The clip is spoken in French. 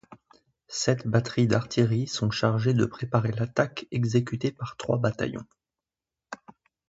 Sept batteries d'artilleries sont chargées de préparer l'attaque exécutée par trois bataillons.